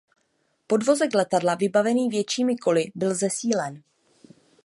Podvozek letadla vybavený většími koly byl zesílen.